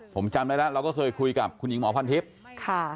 ผมจำได้แล้วเราก็เคยคุยกับคุณหญิงหมอพรทิพย์ค่ะ